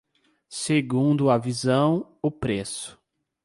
Segundo a visão, o preço.